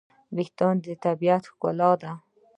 وېښتيان د طبیعت ښکلا ده.